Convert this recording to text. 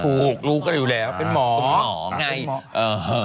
ถูกรู้ก็อยู่แล้วเป็นหมอ